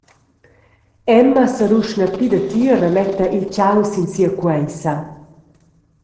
Emma seruschna pli datier e metta il tgau sin sia queissa.